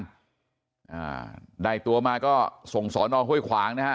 อ่าได้ตัวมาก็ส่งสอนองห้วยขวางนะฮะ